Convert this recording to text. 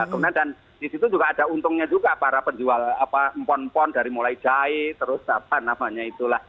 kemudian dan disitu juga ada untungnya juga para penjual empon empon dari mulai jahe terus apa namanya itulah